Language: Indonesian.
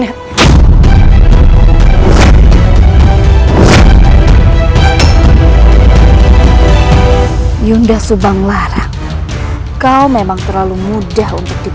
kalian lagi kalian ternyata sudah bisa hidup